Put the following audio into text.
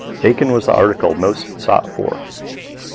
Bacon was the article most sought for.